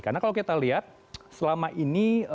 karena kalau kita lihat selama ini